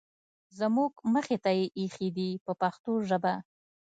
زموږ مخې ته یې اېښي دي په پښتو ژبه.